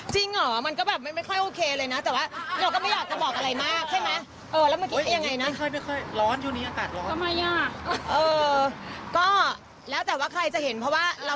จริงหรอมันก็แบบไม่ค่อยโอเคเลยนะ